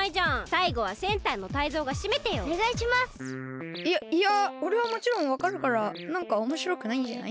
いやいやおれはもちろんわかるからなんかおもしろくないんじゃない？